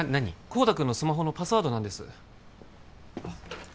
孝多君のスマホのパスワードなんです